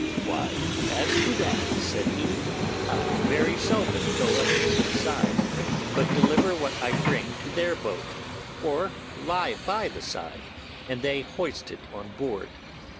'Why, as to that,' said he, 'I very seldom go up the ship side, but deliver what I bring to their boat, or lie by the side, and they hoist it on board.